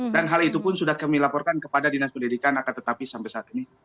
dan hal itu pun sudah kami laporkan kepada dinas pendidikan akt tapi sampai saat ini